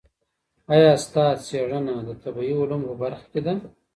ایا ستا څېړنه د طبعي علومو په برخه کي ده؟